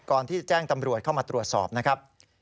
ก่อนที่แจ้งกรอยเข้ามาตรวจสอบนะครับ